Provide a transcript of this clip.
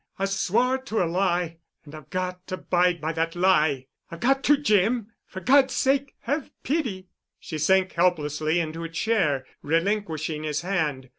I swore to a lie. And I've got to abide by that lie. I've got to, Jim. For God's sake, have pity." She sank helplessly into a chair, relinquishing his hand.